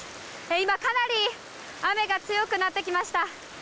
今、かなり雨が強くなってきました。